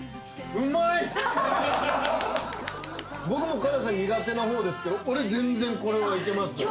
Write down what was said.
僕も辛さ苦手な方ですけど全然これはいけます。